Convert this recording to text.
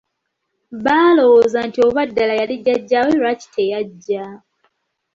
Baalowooza nti obanga ddala ye yali jjajjawe lwaki teyajja.